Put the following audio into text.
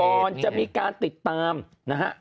ก่อนจะมีการติดตามนะฮะ